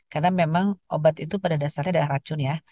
karena memang obat itu pada dasarnya adalah racun ya